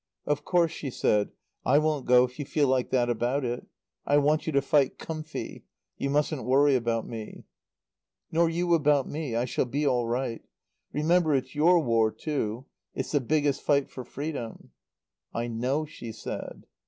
"Of course," she said, "I won't go if you feel like that about it. I want you to fight comfy. You mustn't worry about me." "Nor you about me. I shall be all right. Remember it's your War, too it's the biggest fight for freedom " "I know," she said.